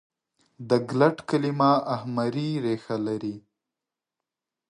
د ګلټ کلیمه اهمري ریښه لري.